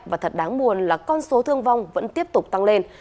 và thật đáng buồn là con số thương vong vẫn tiếp tục tăng lên